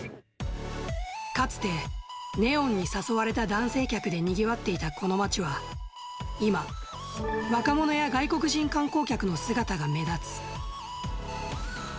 かつて、ネオンに誘われた男性客でにぎわっていたこの街は、今、若者や外国人観光客の姿が目立つ。